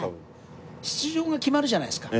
出場が決まるじゃないですか。